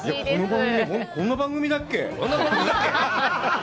こんな番組だっけ？